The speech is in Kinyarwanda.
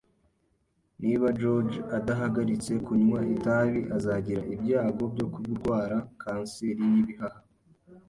Niba George adahagaritse kunywa itabi, azagira ibyago byo kurwara kanseri y'ibihaha.